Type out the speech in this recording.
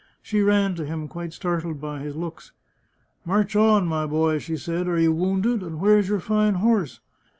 She ran to him, quite startled by his looks. " March on, my boy," she said. " Are you wounded ? and where's your fine horse